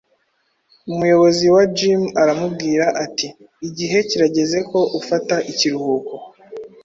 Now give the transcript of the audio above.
Umuyobozi wa Jim aramubwira ati: "Igihe kirageze ko ufata ikiruhuko.